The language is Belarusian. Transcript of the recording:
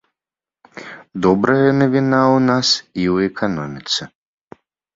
Добрая навіна ў нас і ў эканоміцы.